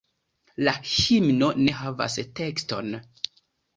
La himno ne havas tekston.